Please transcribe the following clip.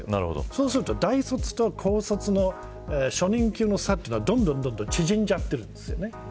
そうすると大卒と高卒の初任給の差はどんどん縮んでいるんです。